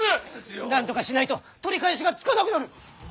なんとかしないと取り返しがつかなくなる！